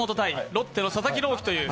ロッテの佐々木朗希という。